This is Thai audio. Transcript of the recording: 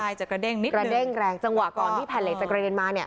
ใช่จะกระเด้งนิดกระเด้งแรงจังหวะก่อนที่แผ่นเหล็กจะกระเด็นมาเนี่ย